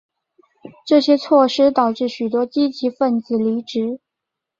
这些措施导致许多积极份子离职。